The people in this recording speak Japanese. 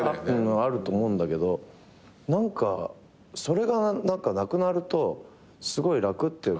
あると思うんだけど何かそれがなくなるとすごい楽っていうか。